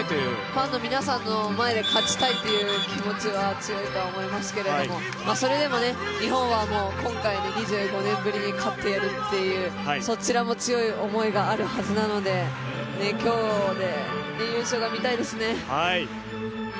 ファンの皆さんの前で勝ちたいという気持ちは強いと思いますけど、それでも日本は今回で２５年ぶりに勝ってやるっていうそちらも強い思いがあるはずなので、今日、優勝が見たいですね。